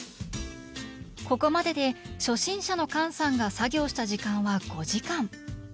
ここまでで初心者の菅さんが作業した時間は５時間。